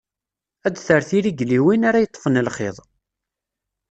Ad terr tirigliwin, ara yeṭfen lxiḍ.